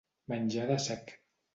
Menjar de sec.